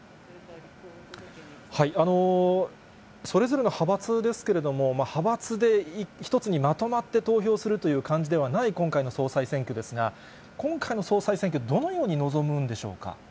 それぞれの派閥ですけれども、派閥で一つにまとまって投票するという感じではない今回の総裁選挙ですが、今回の総裁選挙、どのように臨むんでしょうか。